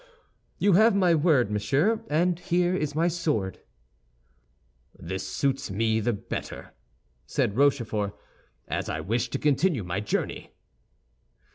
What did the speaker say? "You have my word, monsieur, and here is my sword." "This suits me the better," said Rochefort, "as I wish to continue my journey."